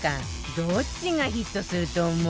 どっちがヒットすると思う？